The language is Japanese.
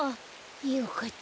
よかった。